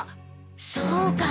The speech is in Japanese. そうか！